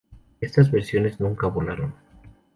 Estas versiones nunca volaron.